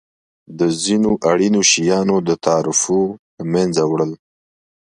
د ځینو اړینو شیانو د تعرفو له مینځه وړل.